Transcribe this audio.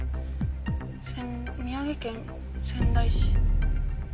宮城県仙台市。